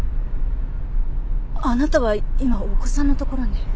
あなたは今お子さんのところに？